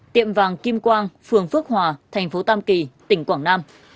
tiệm vàng kim quang phường phước hòa thành phố tam kỳ tỉnh quảng nam